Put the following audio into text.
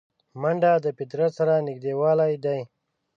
منډه د فطرت سره نږدېوالی دی